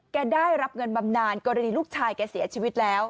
ได้รับเงินบำนานกรณีลูกชายแกเสียชีวิตแล้ว